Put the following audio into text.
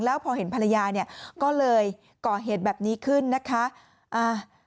แล้วพอเห็นภรรยาเนี่ยก็เลยก่อเหตุแบบนี้ขึ้นนะคะอ่า